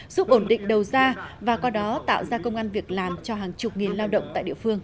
giúp ổn định đầu ra và qua đó tạo ra công an việc làm cho hàng chục nghìn lao động tại địa phương